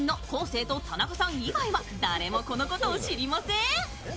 生と田中さん以外は誰もこのことを知りません。